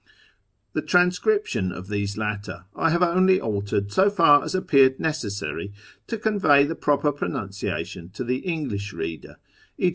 The transcription of these latter I have only altered so far as appeared necessary to convey the proper pronunciation to the English reader, e.